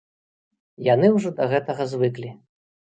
Яны ўжо да гэтага звыклі.